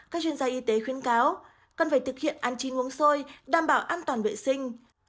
các chuyên gia y tế khuyến cáo cần phải thực hiện ăn trí uống sôi đảm bảo an toàn vệ sinh